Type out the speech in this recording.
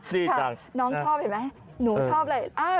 น้องชอบเห็นไหมหนูชอบเลย